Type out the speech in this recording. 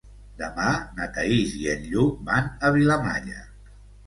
Demà na Thaís i en Lluc van a Vilamalla.